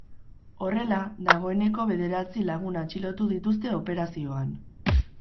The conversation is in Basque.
Horrela, dagoeneko bederatzi lagun atxilotu dituzte operazioan.